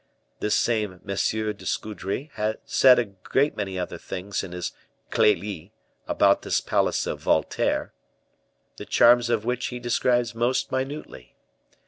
This same Monsieur de Scudery said a great many other things in his "Clelie," about this palace of Valterre, the charms of which he describes most minutely.